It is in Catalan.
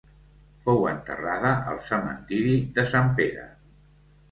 Fou enterrada al cementeri de Sant Pere.